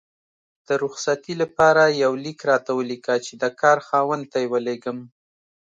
د رخصتي لپاره یو لیک راته ولیکه چې د کار خاوند ته یې ولیږم